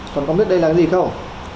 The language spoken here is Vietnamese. con có biết đây là cái gì không